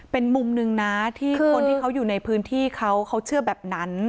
เป็นมุมหนึ่งนะที่คนที่เขาอยู่ในพื้นที่เขาเขาเชื่อแบบนั้น